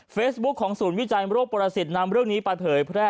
เฟซบุ๊คของศูนย์วิจัยโรคประสิทธิ์นำเรื่องนี้ไปเผยแพร่